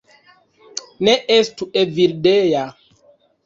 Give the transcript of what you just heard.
Ne estu Evildea